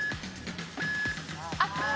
あっ。